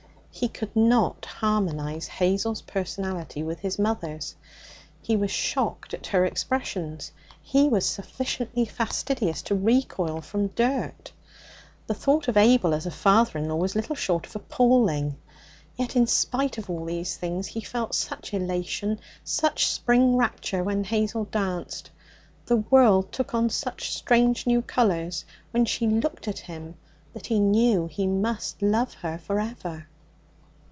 He could not harmonize Hazel's personality with his mother's; he was shocked at her expressions; he was sufficiently fastidious to recoil from dirt; the thought of Abel as a father in law was little short of appalling. Yet, in spite of all these things, he had felt such elation, such spring rapture when Hazel danced; the world took on such strange new colours when she looked at him that he knew he must love her for ever.